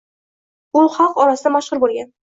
U xalq orasida mashhur bo‘lgan.